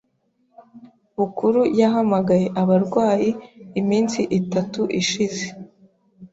Bukuru yahamagaye abarwayi iminsi itatu ishize.